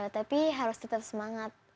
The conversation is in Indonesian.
tapi harus tetap semangat